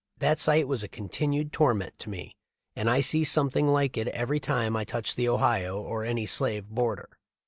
That sight was a continued torment to me ; and I see something like it every time I touch the Ohio or any slave border.